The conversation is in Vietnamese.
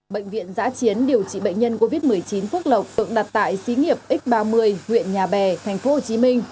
bệnh viện giã chiến điều trị bệnh nhân covid một mươi chín phức lọc được đặt tại xí nghiệp x ba mươi huyện nhà bè tp hcm